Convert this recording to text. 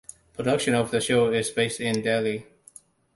Production of the show is based in Delhi.